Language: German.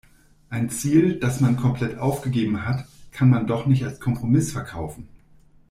Ein Ziel, das man komplett aufgegeben hat, kann man doch nicht als Kompromiss verkaufen.